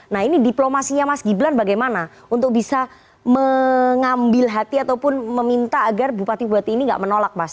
nah ini diplomasinya mas gibran bagaimana untuk bisa mengambil hati ataupun meminta agar bupati bupati ini tidak menolak mas